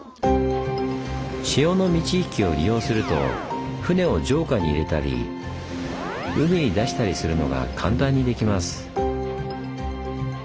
潮の満ち引きを利用すると舟を城下に入れたり海に出したりするのが簡単にできます。